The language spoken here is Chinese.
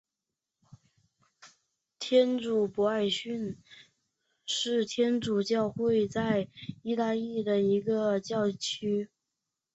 天主教阿奎教区是天主教会在义大利的一个教区。